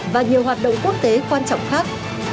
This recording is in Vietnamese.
và nhiều hoạt động quốc tế quan trọng khác